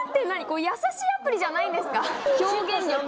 これ優しいアプリじゃないんですか？